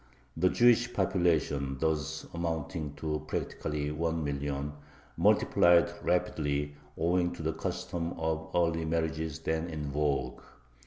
The Jewish population, thus amounting to practically one million, multiplied rapidly, owing to the custom of early marriages then in vogue.